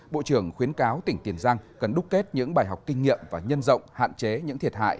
bộ trưởng khuyến cáo tỉnh tiền giang cần đúc kết những bài học kinh nghiệm và nhân rộng hạn chế những thiệt hại